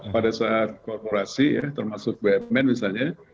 pada saat korporasi ya termasuk bumn misalnya